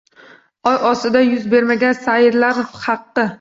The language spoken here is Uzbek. Oy ostida yuz bermagan sayrlar haqi